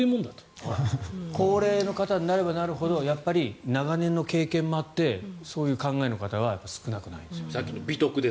高齢の方になればなるほどやっぱり長年の経験もあってそういう考え方の方が少なくないんですよ。